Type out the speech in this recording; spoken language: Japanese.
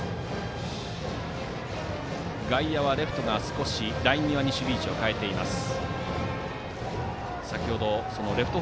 外野はレフトが少しライン際に守備位置を変えました。